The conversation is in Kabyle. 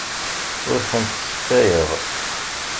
Ur tent-sseftayeɣ.